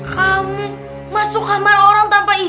kamu masuk kamar orang tanpa izin